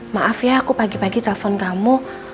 maaf ya aku pagi pagi telepon kamu